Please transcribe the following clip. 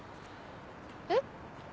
えっ？